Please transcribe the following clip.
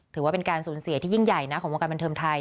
ถือว่าเป็นการสูญเสียที่ยิ่งใหญ่นะของวงการบันเทิงไทย